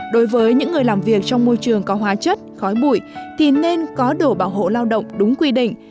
đối với những người làm việc trong môi trường có hóa chất khói bụi thì nên có đủ bảo hộ lao động đúng quy định